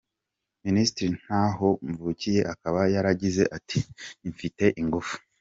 Minisitiri Ntahomvukiye akaba yaragize ati:” Ifite ingufu.